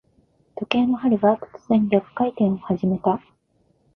時計の針が、突然逆回転を始めた。